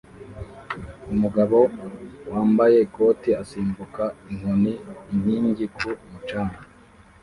Umugabo wambaye ikoti asimbuka inkoni-inkingi ku mucanga